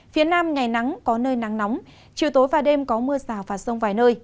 phía nam ngày nắng có nơi nắng nóng chiều tối và đêm có mưa rào và rông vài nơi